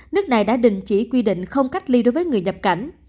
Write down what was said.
nước này đã đình chỉ quy định không cách ly đối với người nhập cảnh